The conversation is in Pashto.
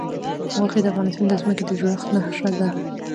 غوښې د افغانستان د ځمکې د جوړښت نښه ده.